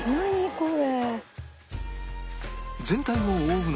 これ！